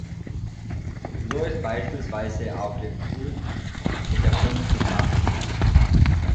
So ist beispielsweise auf dem Krug mit der Fund-Nr.